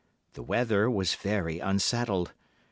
The weather was very unsettled.